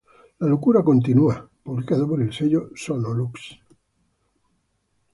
La Locura Continúa", publicados por el sello Sonolux.